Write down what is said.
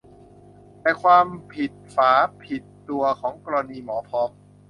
แต่ความผิดฝาผิดตัวของกรณีหมอพร้อม